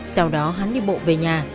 sau đó hắn đi bộ về nhà